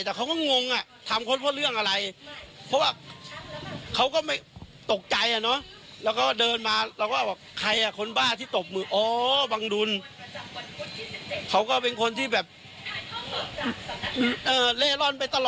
แต่เขาก็งงอ่ะทำคนเพราะเรื่องอะไร